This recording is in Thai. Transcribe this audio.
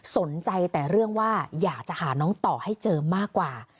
สนใจแต่เรื่องว่าอยากจะหาน้องต่อให้เจอมากกว่า